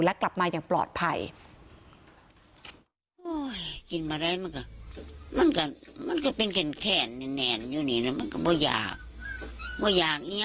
และกลับมาอย่างปลอดภัย